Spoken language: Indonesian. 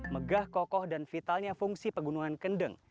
megah kokoh dan vitalnya fungsi pegunungan kendeng